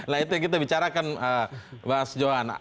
nah itu yang kita bicarakan mas johan